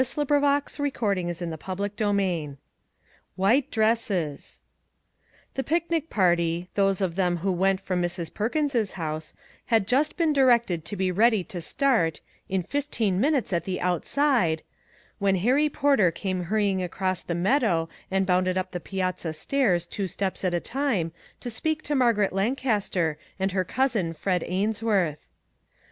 Such was Mag Jessup's reasoning. 198 CHAPTER XIII WHITE DRESSES THE picnic party, those of them who went from Mrs. Perkins's house, had just been directed to be ready to start " in fifteen minutes at the outside," when Harry Porter came hurrying across the meadow and bounded up the piazza, stairs two steps at a time to speak to Margaret Lancaster and her cousin Fred Ainsworth.